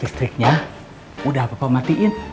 listriknya udah bapak matiin